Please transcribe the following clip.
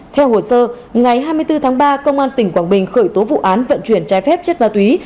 theo hồ sơ ngày hai mươi bốn tháng ba công an tỉnh quảng bình khởi tố vụ án vận chuyển trái phép chất ma túy